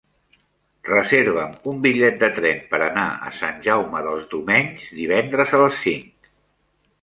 Reserva'm un bitllet de tren per anar a Sant Jaume dels Domenys divendres a les cinc.